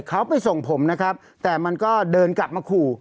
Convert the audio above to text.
เขาไปส่งผมนะครับแต่มันก็เดินกลับมาขู่